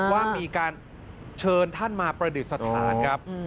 ว่ามีการเชิญท่านมาประดิษฐานครับ